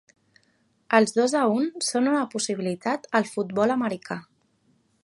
Els dos a un són una possibilitat al futbol americà.